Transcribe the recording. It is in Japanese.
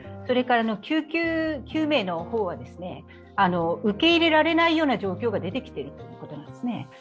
救急救命は受け入れられないような状況が出てきているということなんです。